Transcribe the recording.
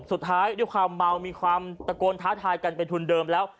ด้วยความเมามีความตะโกนท้าทายกันเป็นทุนเดิมแล้ว